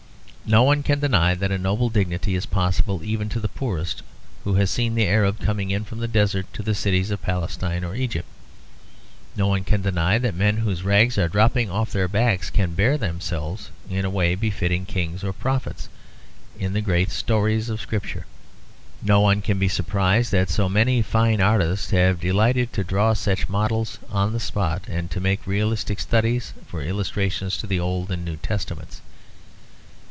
No one can deny that a noble dignity is possible even to the poorest, who has seen the Arabs coming in from the desert to the cities of Palestine or Egypt. No one can deny that men whose rags are dropping off their backs can bear themselves in a way befitting kings or prophets in the great stories of Scripture. No one can be surprised that so many fine artists have delighted to draw such models on the spot, and to make realistic studies for illustrations to the Old and New Testaments.